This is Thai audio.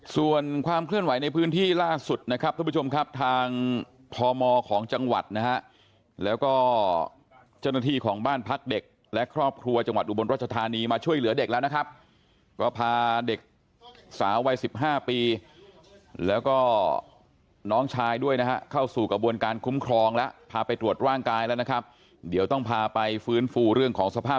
ส่วนความเคลื่อนไหวในพื้นที่ล่าสุดนะครับทุกผู้ชมครับทางพมของจังหวัดนะฮะแล้วก็เจ้าหน้าที่ของบ้านพักเด็กและครอบครัวจังหวัดอุบลรัชธานีมาช่วยเหลือเด็กแล้วนะครับก็พาเด็กสาววัยสิบห้าปีแล้วก็น้องชายด้วยนะฮะเข้าสู่กระบวนการคุ้มครองแล้วพาไปตรวจร่างกายแล้วนะครับเดี๋ยวต้องพาไปฟื้นฟูเรื่องของสภาพ